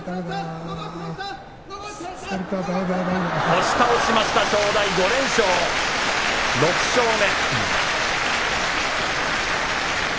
押し倒しました正代５連勝６勝目。